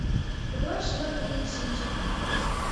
Руаш лыҥ лийын шинче.